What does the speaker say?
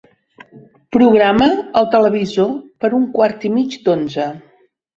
Programa el televisor per a un quart i mig d'onze.